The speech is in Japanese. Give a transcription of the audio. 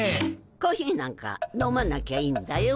コーヒーなんか飲まなきゃいいんだよ。